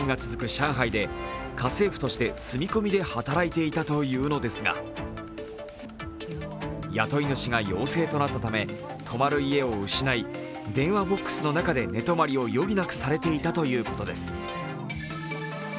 上海で家政婦として住み込みで働いていたというのですが、雇い主が陽性となったため、泊まる家を失い電話ボックスの中で寝泊まりを余儀なくされていたということです。